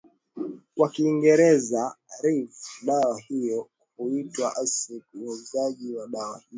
kwa Kiingereza rave Dawa hiyo huitwa ecstasy Wauzaji wa dawa hiyo